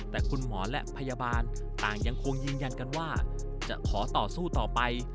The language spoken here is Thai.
แต่คุณหมอและพยาบาลต่างยังคงยืนยันกันว่าจะขอต่อสู้ต่อไป